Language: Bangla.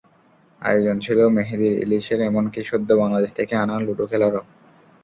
আয়োজন ছিল মেহেদির, ইলিশের, এমনকি সদ্য বাংলাদেশ থেকে আনা লুডু খেলারও।